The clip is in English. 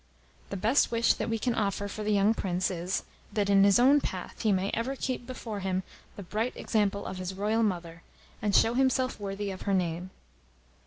The best wish that we can offer for the young prince is, that in his own path he may ever keep before him the bright example of his royal mother, and show himself worthy of her name.'